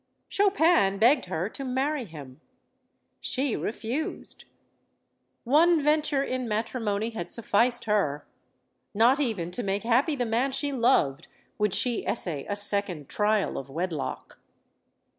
Chopin begged her to marry him. She refused. One venture in matrimony had sufficed her. Not even to make happy the man she loved would she essay a second trial of wedlock.